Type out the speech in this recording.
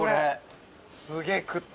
すげえ食った。